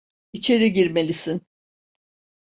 İçeri girmelisin.